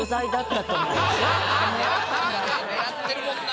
狙ってるもんな。